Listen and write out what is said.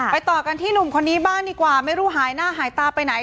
ต่อกันที่หนุ่มคนนี้บ้างดีกว่าไม่รู้หายหน้าหายตาไปไหน